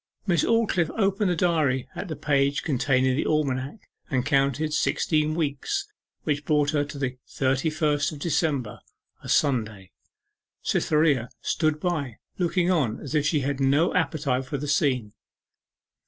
Miss Aldclyffe opened the diary at the page containing the almanac, and counted sixteen weeks, which brought her to the thirty first of December a Sunday. Cytherea stood by, looking on as if she had no appetite for the scene.